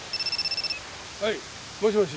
はいもしもし。